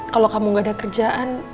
kalau kamu gak ada kerjaan